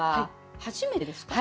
初めてです。